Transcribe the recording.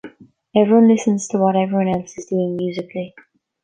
Everyone listens to what everyone else is doing musically.